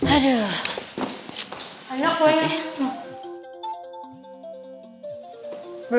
aduh aku ini